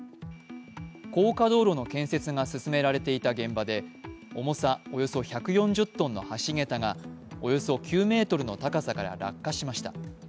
高架道路の建設が進められていた現場で重さおよそ１４０ｔの橋桁がおよそ９ｍの高さから落下しました。